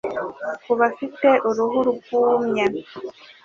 Ku bafite uruhu rwumye